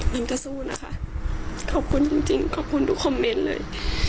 น้ำจะสู้นะคะขอบคุณจริงจริงขอบคุณทุกคอมเมนต์เลย